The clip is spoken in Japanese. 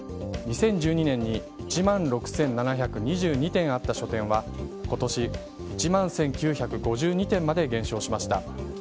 ２０１２年に１万６７２２店あった書店は今年１万１９５２店まで減少しました。